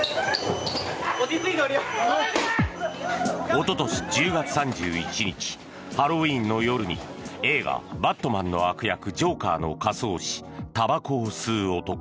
おととし１０月３１日ハロウィーンの夜に映画「バットマン」の悪役ジョーカーの仮装をしたばこを吸う男。